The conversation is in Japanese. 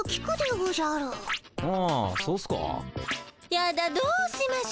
やだどうしましょ。